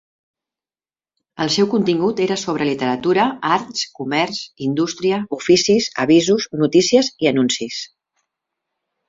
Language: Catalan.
El seu contingut era sobre literatura, arts, comerç, indústria, oficis, avisos, notícies i anuncis.